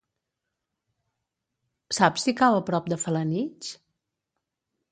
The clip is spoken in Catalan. Saps si cau a prop de Felanitx?